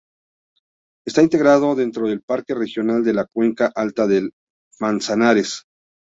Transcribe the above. Está integrado dentro del Parque Regional de la Cuenca Alta del Manzanares.